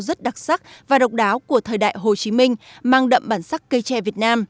rất đặc sắc và độc đáo của thời đại hồ chí minh mang đậm bản sắc cây tre việt nam